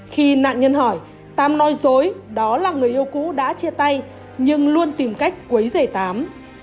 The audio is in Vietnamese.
khi nạn nhân hỏi tám nói dối đó là người yêu cũ đã chia tay nhưng luôn tìm cách quấy dày tám